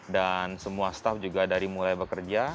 dan semua staff juga dari mulai bekerja